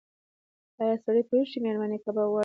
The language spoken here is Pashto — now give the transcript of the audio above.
ایا سړی پوهېږي چې مېرمن یې کباب غواړي؟